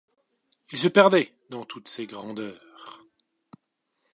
Il se perdait dans toutes ces grandeurs.